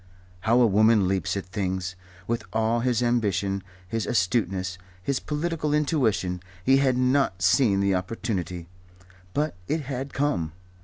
How a woman leaps at things! With all his ambition, his astuteness, his political intuition, he had not seen the opportunity. But it had come.